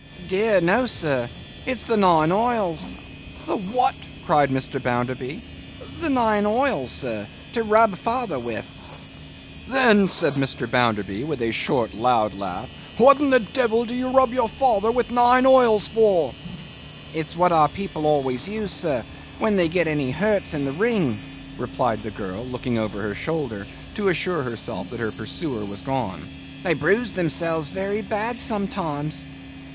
'Dear, no, sir! It's the nine oils.' 'The what?' cried Mr. Bounderby. 'The nine oils, sir, to rub father with.' 'Then,' said Mr. Bounderby, with a loud short laugh, 'what the devil do you rub your father with nine oils for?' 'It's what our people aways use, sir, when they get any hurts in the ring,' replied the girl, looking over her shoulder, to assure herself that her pursuer was gone. 'They bruise themselves very bad sometimes.